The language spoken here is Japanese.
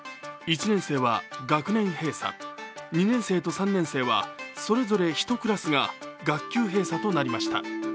１年生は学年閉鎖、２年生と３年生はそれぞれ１クラスが学級閉鎖となりました。